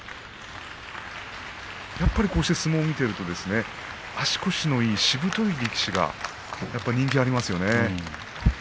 やはりこうして相撲を見ていますと足腰のいいしぶとい力士が人気がありますよね。